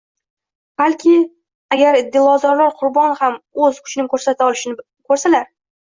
Balki agar dilozorlar qurbon ham o‘z kuchini ko‘rsata olishini ko‘rsalar